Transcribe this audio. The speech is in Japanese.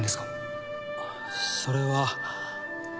それは。